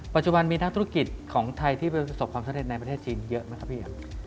ปัจจุบันมีนักธุรกิจของไทยที่ประสบความสำเร็จในประเทศจีนเยอะไหมครับพี่